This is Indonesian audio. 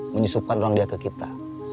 menyusupkan orang dia ke kita